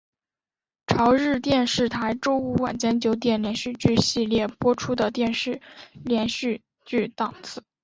朝日电视台周五晚间九点连续剧系列播出的电视连续剧档次。